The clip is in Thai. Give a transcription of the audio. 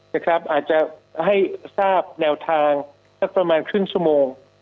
อาจจะให้ทราบแนวทางสักประมาณครึ่งชั่วโมง